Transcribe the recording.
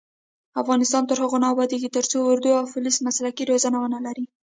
افغانستان تر هغو نه ابادیږي، ترڅو اردو او پولیس مسلکي روزنه ونه لري.